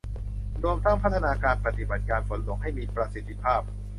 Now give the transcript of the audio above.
รวมทั้งพัฒนาการปฏิบัติการฝนหลวงให้มีประสิทธิภาพ